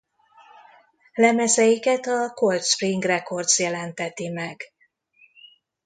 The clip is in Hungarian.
Lemezeiket a Cold Spring Records jelenteti meg.